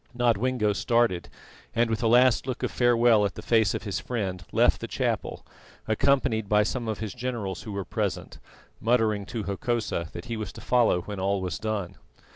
Nodwengo started, and, with a last look of farewell at the face of his friend, left the chapel, accompanied by some of his generals who were present, muttering to Hokosa that he was to follow when all was done.